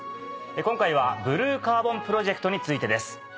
今回はブルーカーボンプロジェクトについてです。